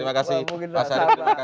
terima kasih pak sarif